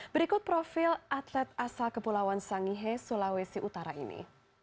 berikut profil atlet asal kepulauan sangihe sulawesi utara ini